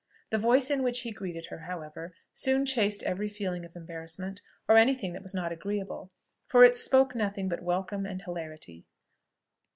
The voice in which he greeted her, however, soon chased every feeling of embarrassment, or any thing else that was not agreeable, for it spoke nothing but welcome and hilarity.